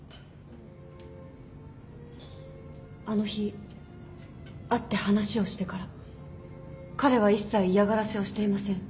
あの日会って話をしてから彼は一切嫌がらせをしていません。